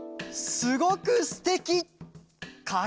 すごくすてき。